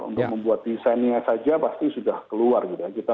untuk membuat desainnya saja pasti sudah keluar gitu ya